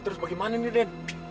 terus bagaimana nih din